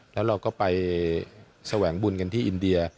แล้วเราก็ไปแสวงบุญกันที่อินเดีย